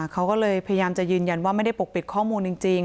เขาก็เลยพยายามจะยืนยันว่าไม่ได้ปกปิดข้อมูลจริง